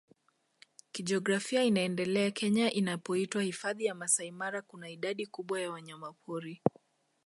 kijiografia inaendele Kenya inapoitwa Hifadhi ya Masai Mara Kuna idadi kubwa ya wanyamapori